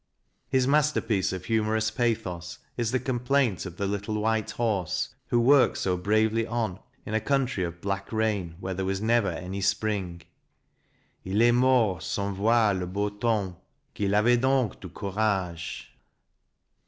His masterpiece of humorous pathos is the " Complaint of the Little White Horse," who worked so bravely on in a country of black rain where there was never any spring: II est mort sans voir le beau temps : qu'il avait done du courage